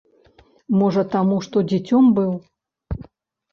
Можа, таму, што дзіцём быў.